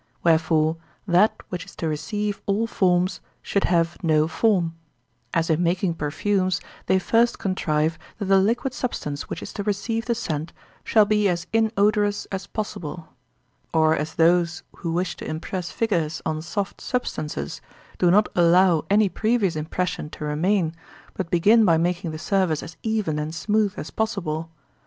Wherefore, that which is to receive all forms should have no form; as in making perfumes they first contrive that the liquid substance which is to receive the scent shall be as inodorous as possible; or as those who wish to impress figures on soft substances do not allow any previous impression to remain, but begin by making the surface as even and smooth as possible.